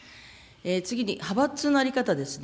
次に派閥の在り方ですね。